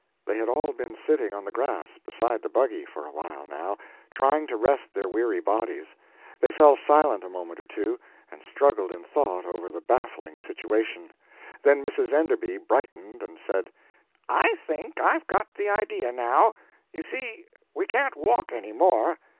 They had all been sitting on the grass beside the buggy for a while, now, trying to rest their weary bodies. They fell silent a moment or two, and struggled in thought over the baffling situation; then Mrs. Enderby brightened and said: "I think I've got the idea, now. You see, we can't walk any more.